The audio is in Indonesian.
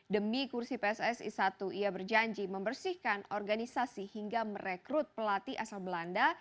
demi kursi pssi satu ia berjanji membersihkan organisasi hingga merekrut pelatih asal belanda